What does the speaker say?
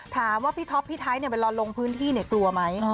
ถามว่าพี่ท็อปพี่ไทยเนี่ยไปรอนลงพื้นที่เนี่ยกลัวไหม